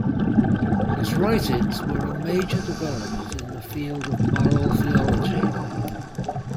His writings were a major development in the field of moral theology.